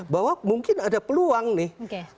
bahwa mungkin ada peluang nih